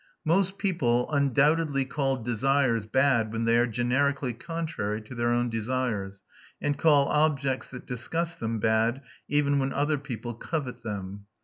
Most people undoubtedly call desires bad when they are generically contrary to their own desires, and call objects that disgust them bad, even when other people covet them.